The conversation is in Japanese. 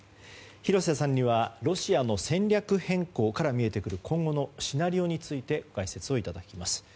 廣瀬さんにはロシアの戦略変更から見えてくる今後のシナリオについてご解説をいただきます。